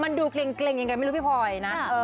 มันดูเกร็งยังไงไม่รู้พี่พลอยนะ